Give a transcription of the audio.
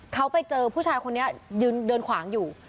เขาไปเจอผู้ชายคนนี้ยืนเดินขวางอยู่